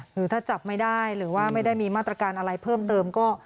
หรือถ้าจับไม่ได้หรือว่าไม่ได้มีมาตรการอะไรเพิ่มเติมก็